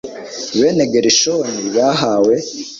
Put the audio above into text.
bene gerishoni bahawe